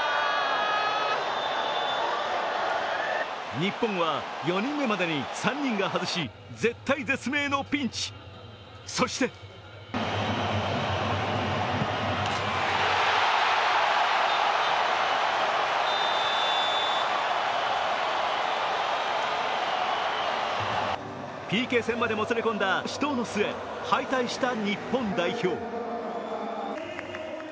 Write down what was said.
日本は４人目までに３人が外し絶体絶命のピンチ、そしてＰＫ戦までもつれ込んだ末敗退した日本代表。